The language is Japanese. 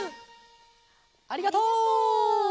ありがとう！